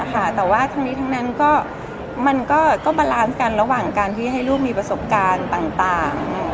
แต่ว่าทั้งนี้ทั้งนั้นมันก็บาลานซ์กันระหว่างการที่ให้ลูกมีประสบการณ์ต่าง